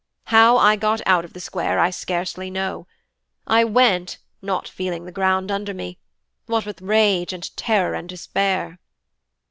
How I got out of the Square I scarcely know: I went, not feeling the ground under me, what with rage and terror and despair.'